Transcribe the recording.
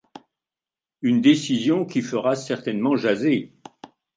Une décision qui fera certainement jaser.